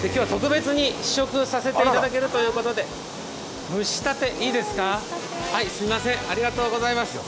今日は特別に試食させていただけるということで蒸したて、ありがとうございます。